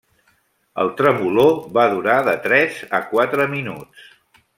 El tremolor va durar de tres a quatre minuts.